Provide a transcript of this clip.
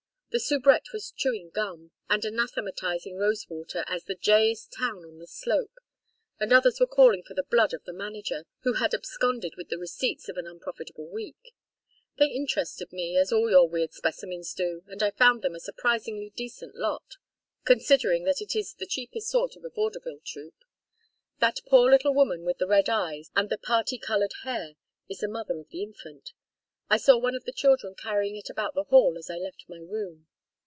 The soubrette was chewing gum and anathematizing Rosewater as the 'jayest town on the slope,' and others were calling for the blood of the manager, who had absconded with the receipts of an unprofitable week. They interested me, as all your weird specimens do, and I found them a surprisingly decent lot, considering that it is the cheapest sort of a vaudeville troupe. That poor little woman with the red eyes and the parti colored hair is the mother of the infant. I saw one of the children carrying it about the hall as I left my room.